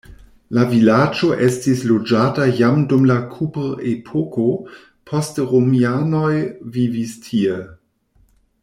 La vilaĝo estis loĝata jam dum la kuprepoko, poste romianoj vivis tie.